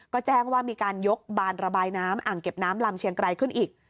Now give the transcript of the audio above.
ก็แจ้งว่ามีการยกบานระบายน้ำอ่างเก็บน้ำลำเชียงไกรขึ้นอีก